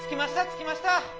着きました。